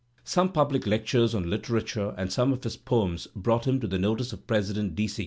Some public lectures on hterature and some of his poems brought him to the notice of President D. C.